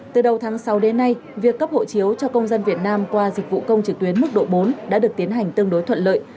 từ đầu tháng sáu đến nay việc cấp hộ chiếu cho công dân việt nam qua dịch vụ công trực tuyến mức độ bốn đã được tiến hành tương đối thuận lợi